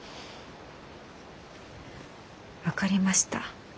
分かりました。